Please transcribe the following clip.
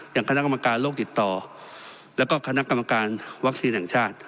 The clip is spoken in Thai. อย่างคณะกรรมการโลกติดต่อแล้วก็คณะกรรมการวัคซีนแห่งชาติ